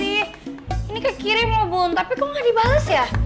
ini kekirim bu tapi kok gak dibales ya